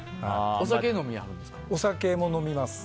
お酒飲みますか？